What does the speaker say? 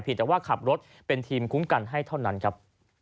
แต่ว่าขับรถเป็นทีมคุ้มกันให้เท่านั้นครับ